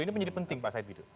ini menjadi penting pak said itu